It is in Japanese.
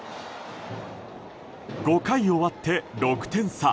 ５回終わって、６点差。